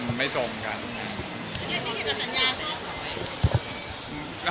อันนี้ไม่ได้เรียกละสัญญาช่อง